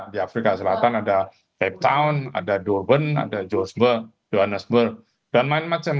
di afrika selatan ada hape town ada dorban ada george johannesburg dan lain macam